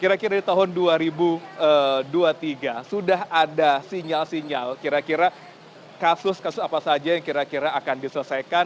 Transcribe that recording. kira kira di tahun dua ribu dua puluh tiga sudah ada sinyal sinyal kira kira kasus kasus apa saja yang kira kira akan diselesaikan